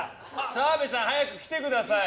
澤部さん、早く来てください！